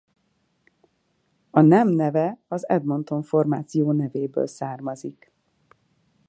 A nem neve az Edmonton-formáció nevéből származik.